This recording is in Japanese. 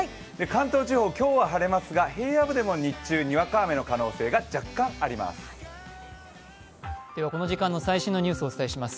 関東地方、今日は晴れますが平野部でもにわか雨の可能性が若干あります。